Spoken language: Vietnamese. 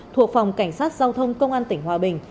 thuộc phòng cảnh sát giao thông công an tỉnh hòa bình